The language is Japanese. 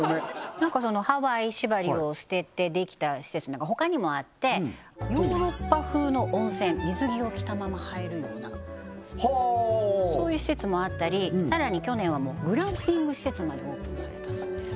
何かそのハワイ縛りを捨ててできた施設他にもあってヨーロッパ風の温泉水着を着たまま入るようなそういう施設もあったりさらに去年はもうグランピング施設までオープンされたそうです